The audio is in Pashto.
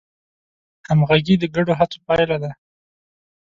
همغږي د ګډو هڅو پایله ده.